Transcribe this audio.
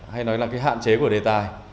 hay nói là cái hạn chế của đề tài